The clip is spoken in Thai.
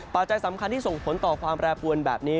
ปัจจัยสำคัญที่ส่งผลต่อความแปรปวนแบบนี้